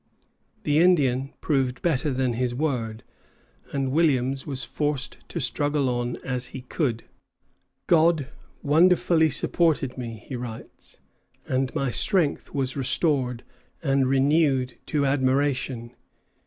'" The Indian proved better than his word, and Williams was suffered to struggle on as he could. "God wonderfully supported me," he writes, "and my strength was restored and renewed to admiration."